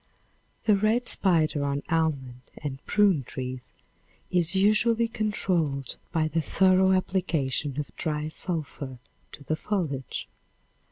The red spider on almond and prune trees is usually controlled by the thorough application of dry sulphur to the foliage.